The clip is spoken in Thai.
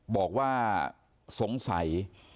บอกว่าสงสัย